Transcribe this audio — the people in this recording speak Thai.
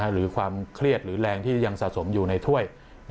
หรือความเครียดหรือแรงที่ยังสะสมอยู่ในถ้วย